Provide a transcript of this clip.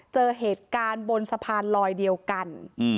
เจอเหตุการณ์บนสะพานลอยเดียวกัน